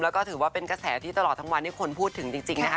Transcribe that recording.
แล้วก็ถือว่าเป็นกระแสที่ตลอดทั้งวันที่คนพูดถึงจริงนะคะ